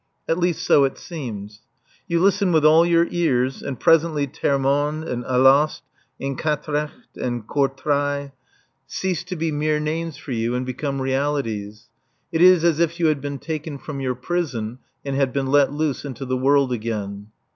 At least so it seems. You listen with all your ears, and presently Termonde and Alost and Quatrecht and Courtrai cease to be mere names for you and become realities. It is as if you had been taken from your prison and had been let loose into the world again.